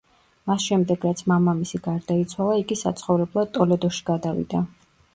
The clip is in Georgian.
მას შემდეგ რაც მამამისი გარდაიცვალა, იგი საცხოვრებლად ტოლედოში გადავიდა.